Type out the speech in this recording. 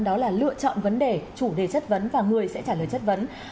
đó là lựa chọn vấn đề chủ đề chất vấn và người sẽ trả lời chất vấn